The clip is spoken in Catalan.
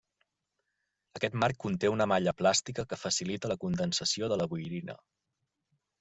Aquest marc conté una malla plàstica que facilita la condensació de la boirina.